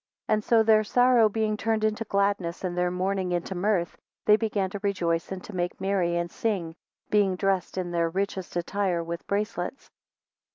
31 And so their sorrow being turned into gladness, and their mourning into mirth, they began to rejoice, and to make merry, and sing, being dressed in their richest attire, with bracelets.